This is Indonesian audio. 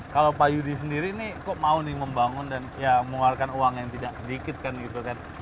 kalau pak yudi sendiri ini kok mau nih membangun dan ya mengeluarkan uang yang tidak sedikit kan gitu kan